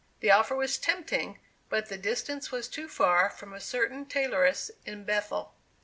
The offer was tempting, but the distance was too far from a certain tailoress in Bethel.